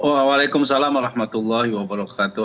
waalaikumsalam warahmatullahi wabarakatuh